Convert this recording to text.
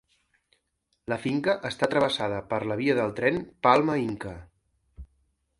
La finca està travessada per la via del tren Palma-Inca.